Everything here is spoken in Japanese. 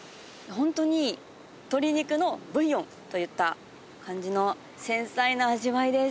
ホントに鶏肉のブイヨンといった感じの繊細な味わいです